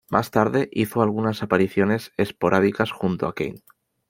Más tarde hizo algunas apariciones esporádicas junto a Kane.